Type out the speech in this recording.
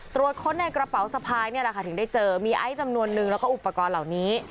ตรวจค้นในกระเป๋าสะพายนี่แหละค่ะถึงได้เจอมีไอซ์จำนวนนึงแล้วก็อุปกรณ์เหล่านี้